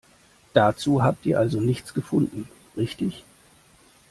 Dazu habt ihr also nichts gefunden, richtig?